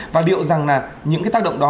và điệu rằng là những cái tác động đó